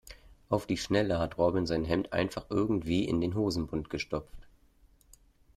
Auf die Schnelle hat Robin sein Hemd einfach irgendwie in den Hosenbund gestopft.